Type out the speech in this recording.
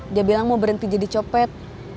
dia bilang mau berhenti jadi copet